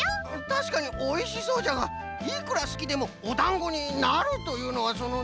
たしかにおいしそうじゃがいくらすきでもおだんごになるというのはその。